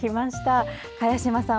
茅島さん